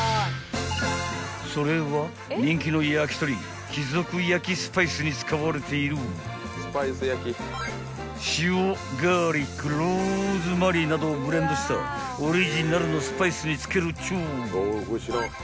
［それは人気の焼き鳥貴族焼に使われている塩ガーリックローズマリーなどをブレンドしたオリジナルのスパイスにつけるっちゅう］